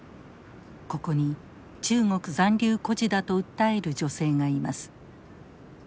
ここに中国残留孤児だと訴える女性がいます。